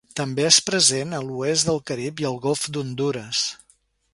També és present a l'oest del Carib i al Golf d'Hondures.